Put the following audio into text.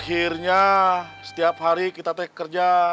akhirnya setiap hari kita kerja